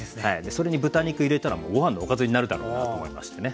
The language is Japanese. それに豚肉入れたらもうご飯のおかずになるだろうなと思いましてね。